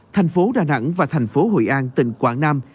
thành phố đà nẵng và thành phố hội an tỉnh quảng nam